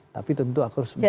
tapi tentu aku harus